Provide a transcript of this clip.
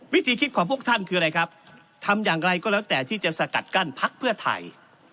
วิธีคิดของพวกท่านคืออะไรครับทำอย่างไรก็แล้วแต่ที่จะสกัดกั้นพักเพื่อไทย